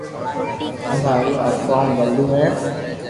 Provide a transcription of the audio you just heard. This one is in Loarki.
آپ ھارو آ ڪوم ڀلو ھي